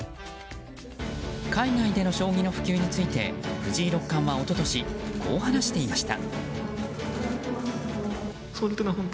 海外での将棋の普及について藤井六冠は一昨年こう話していました。